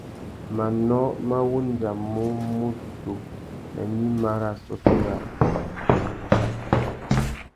Manô mà wandjamú mutu nà gnïma nà assôtô yâā.